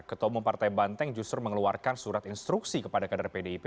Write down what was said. ketemu partai banteng justru mengeluarkan surat instruksi kepada kedaraan pdip